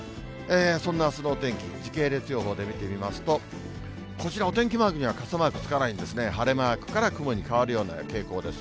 そんなあすのお天気、時系列予報で見てみますと、こちらお天気マークには傘マークつかないんですね、晴れマークから雲に変わるような傾向です。